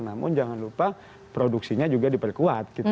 namun jangan lupa produksinya juga diperkuat gitu